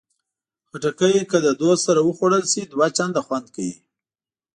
خټکی که له دوست سره وخوړل شي، دوه چنده خوند کوي.